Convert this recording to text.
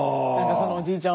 そのおじいちゃん